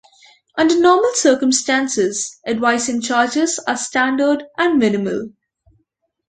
Under normal circumstances, advising charges are standard and minimal.